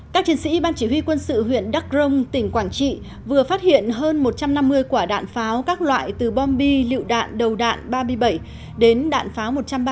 các chiến sĩ ban chỉ huy quân sự huyện đắk rông tỉnh quảng trị vừa phát hiện hơn một trăm năm mươi quả đạn pháo các loại từ bom bi lựu đạn đầu đạn ba mươi bảy đến đạn pháo một trăm ba mươi